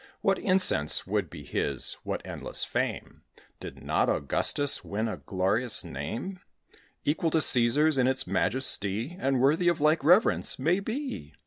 What incense would be his, what endless fame! Did not Augustus win a glorious name, Equal to Cæsar's in its majesty, And worthy of like reverence, may be?